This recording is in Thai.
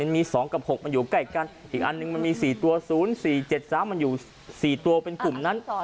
มี๒กับ๖มันอยู่ใกล้กันอีกอันนึงมันมี๔ตัว๐๔๗๓มันอยู่๔ตัวเป็นกลุ่มนั้น